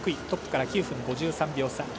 トップから９分５３秒差。